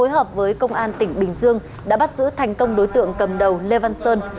hợp với công an tỉnh bình dương đã bắt giữ thành công đối tượng cầm đầu lê văn sơn